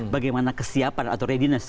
bagaimana kesiapan atau readiness